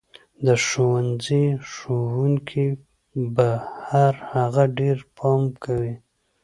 د ښوونځي ښوونکي به پر هغه ډېر پام کوي.